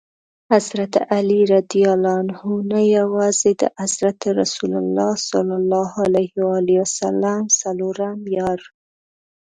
حضرت علي رض نه یوازي د حضرت رسول ص څلورم یار.